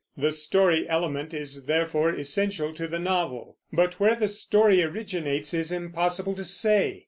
The story element is therefore essential to the novel; but where the story originates is impossible to say.